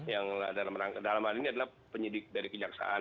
yang dalam hal ini adalah penyidik dari kejaksaan